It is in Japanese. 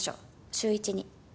週１に。